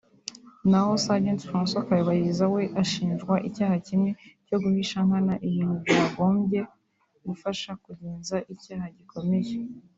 na ho Sgt François Kabayiza we ashinjwa icyaha kimwe cyo guhisha nkana ibintu byagombye gufasha kugenza icyaha gikomeye